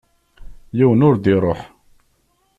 Yiwen ur d-iṛuḥ.